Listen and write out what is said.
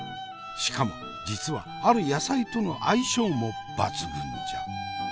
しかも実はある野菜との相性も抜群じゃ。